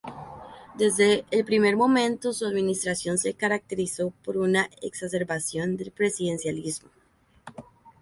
Desde el primer momento, su administración se caracterizó por una exacerbación del presidencialismo.